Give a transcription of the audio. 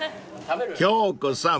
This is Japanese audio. ［京子さん